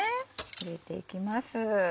入れていきます。